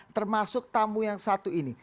termasuk tamu yang satu ini